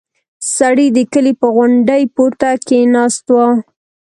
سړی د کلي په غونډۍ پورته کې ناست و.